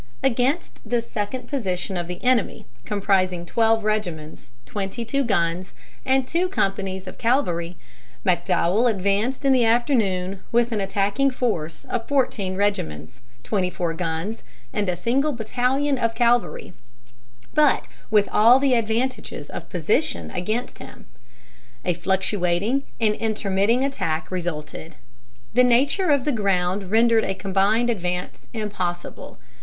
Against this second position of the enemy, comprising twelve regiments, twenty two guns, and two companies of cavalry, McDowell advanced in the afternoon with an attacking force of fourteen regiments, twenty four guns, and a single battalion of cavalry, but with all the advantages of position against him. A fluctuating and intermitting attack resulted. The nature of the ground rendered a combined advance impossible.